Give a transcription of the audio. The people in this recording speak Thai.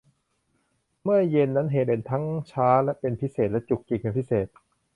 เมื่อเย็นนั้นเฮเลนทั้งช้าเป็นพิเศษและจุกจิกเป็นพิเศษ